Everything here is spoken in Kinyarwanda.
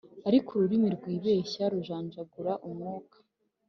ariko ururimi rwibeshya rujanjagura umwuka